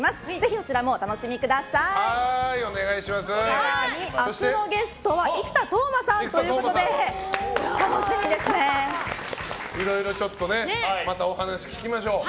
更に、明日のゲストは生田斗真さんということでいろいろ、またお話を聞きましょう。